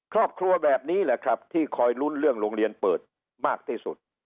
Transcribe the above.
ครอบครัวแบบนี้แหละครับที่คอยลุ้นเรื่องโรงเรียนเปิดมากที่สุด